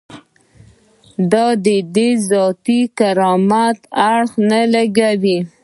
دا د ذاتي کرامت سره اړخ نه لګوي.